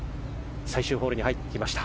最終ホールに入ってきました。